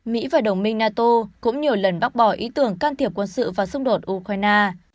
mỹ và đồng minh nato cũng nhiều lần bác bỏ ý tưởng can thiệp quân sự và xung đột ukraine